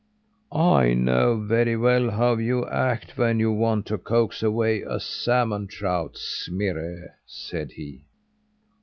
"I know very well how you act when you want to coax away a salmon trout, Smirre," said he.